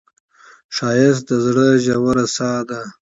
ښایست د زړه ژور ساه ده